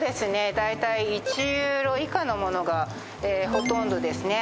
大体１ユーロ以下のものがほとんどですね